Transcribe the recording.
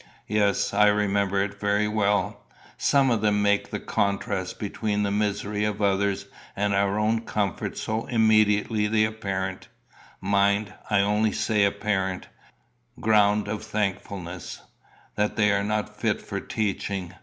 "Yes; I remember it very well. Some of them make the contrast between the misery of others and our own comforts so immediately the apparent mind, I only say apparent ground of thankfulness, that they are not fit for teaching.